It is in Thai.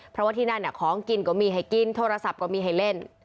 เพราะว่าที่นั่นของกินก็มีให้กินโทรศัพท์ก็มีให้เล่น